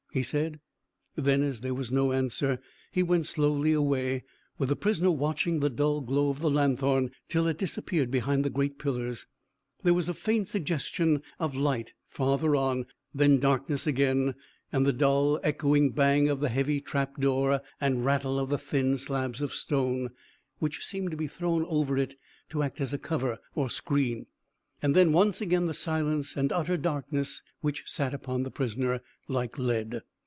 he said. Then, as there was no answer, he went slowly away, with the prisoner watching the dull glow of the lanthorn till it disappeared behind the great pillars, there was a faint suggestion of light farther on, then darkness again, the dull echoing bang of the heavy trap door and rattle of the thin slabs of stone which seemed to be thrown over it to act as a cover or screen, and then once again the silence and utter darkness which sat upon the prisoner like lead.